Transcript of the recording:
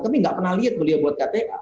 tapi nggak pernah lihat beliau buat kta